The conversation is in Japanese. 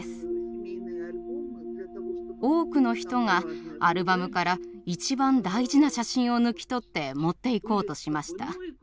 多くの人がアルバムから一番大事な写真を抜き取って持っていこうとしました。